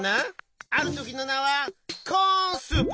あるときのなはコーンスープ。